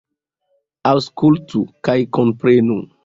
Aŭskultu kaj komprenu!